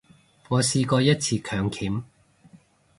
我試過一次強檢